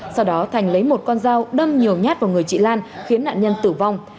sau đó thành lấy một con dao đâm nhiều nhát vào người chị lan khiến nạn nhân tử vong